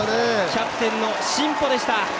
キャプテンの新保でした。